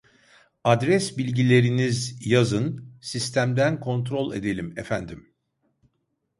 Adres bilgileriniz yazın sistemden kontrol edelim efendim